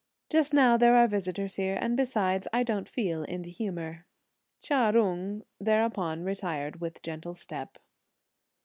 Just now there are visitors here; and besides, I don't feel in the humour." Chia Jung thereupon retired with gentle step.